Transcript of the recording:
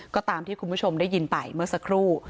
ก็ตามที่คุณผู้ชมได้ยินไปเมื่อสักครู่